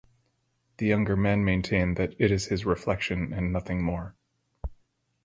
The younger men maintain that it is his reflection and nothing more.